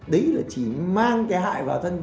đấy là chỉ mang cái hại vào thân